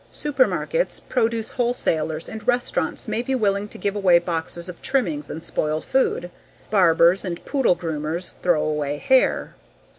Supermarkets, produce wholesalers, and restaurants may be willing to give away boxes of trimmings and spoiled food. Barbers and poodle groomers throw away hair.